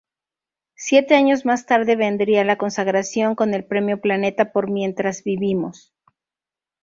Siete años más tarde vendría la consagración con el premio Planeta por "Mientras vivimos".